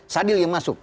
sadil yang masuk